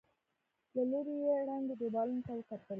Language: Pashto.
له ليرې يې ړنګو دېوالونو ته وکتل.